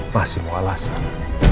masih mau alasan